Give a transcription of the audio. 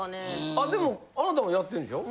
あでもあなたもやってんでしょ？